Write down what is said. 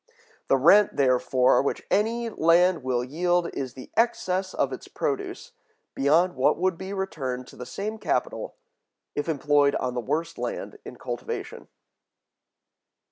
The rent, therefore, which any land will yield, is the excess of its produce, beyond what would be returned to the same capital if employed on the worst land in cultivation.